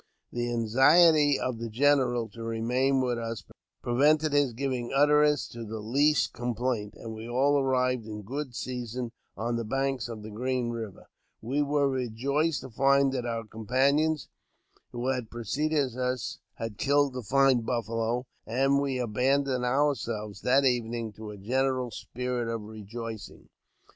The anxiety of the general to remain with us prevented his giving utterance to the least complaint, and we all arrived in good season on the banks of Green Eiver. We were rejoiced to find that our companions who had preceded us had killed a fine buffalo, and we abandoned ourselves that evening to a general spirit of rejoicing.